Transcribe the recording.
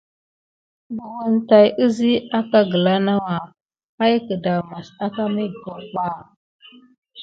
Bukine tay kizikia aka gəla nawua pay gedamase àka mekok ɓa.